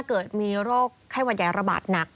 เกิดมีโรคไข้หวัดใหญ่ระบาดหนัก